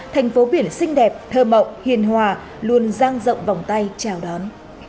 thành phố biển xinh đẹp thơ mộng hiền hòa luôn giang rộng vòng tay chào đón